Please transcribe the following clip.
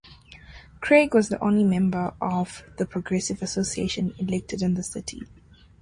Craig was the only member of the Progressive Association elected in the city.